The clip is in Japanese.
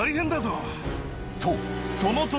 とその時！